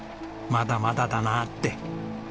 「まだまだだな」って。